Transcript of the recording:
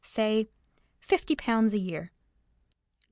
Say, fifty pounds a year."